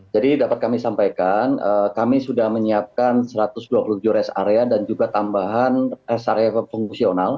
jadi dapat kami sampaikan kami sudah menyiapkan satu ratus dua puluh tujuh res area dan juga tambahan res area fungsional